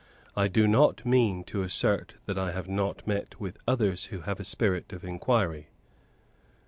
I do not mean to assert that I have not met with others who have a spirit of inquiry.